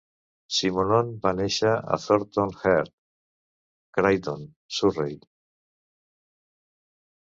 Simonon va néixer a Thornton Heath, Croydon, Surrey.